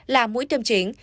là mũi tiêm chính